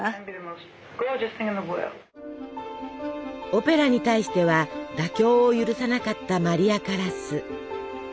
オペラに対しては妥協を許さなかったマリア・カラス。